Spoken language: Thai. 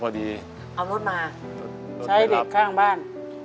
เดิน